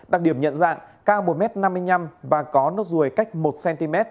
đặc điểm nhận dạng cao một m năm mươi năm và có nốt ruồi cách một cm